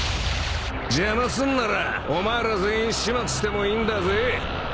邪魔すんならお前ら全員始末してもいいんだぜ。